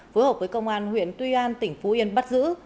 phối hợp với công an huyện tuy an tỉnh phú yên bắt giữ